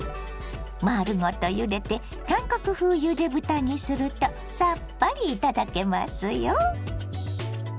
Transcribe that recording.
丸ごとゆでて韓国風ゆで豚にするとさっぱり頂けますよ。